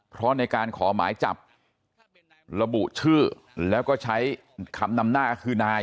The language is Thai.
เพราะในการขอหมายจับระบุชื่อแล้วก็ใช้คำนำหน้าก็คือนาย